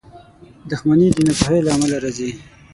• دښمني د ناپوهۍ له امله راځي.